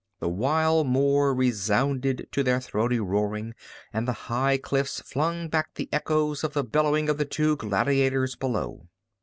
The wild moor resounded to their throaty roaring and the high cliffs flung back the echoes of the bellowing of the two gladiators below.